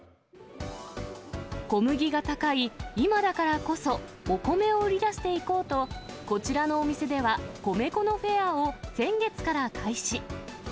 小麦が高い今だからこそ、お米を売り出していこうと、こちらのお店では、米粉のフェアを先月から開始。